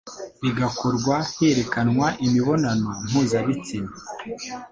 bigakorwa herekanwa imibonano mpuzabitsina